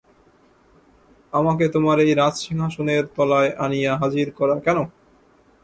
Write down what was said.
আমাকে তোমার এই রাজসিংহাসনের তলায় আনিয়া হাজির করা কেন।